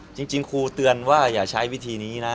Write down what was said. จริงครูเตือนว่าอย่าใช้วิธีนี้นะ